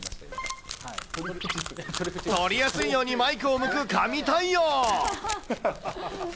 撮りやすいようにマイクを向く神対応。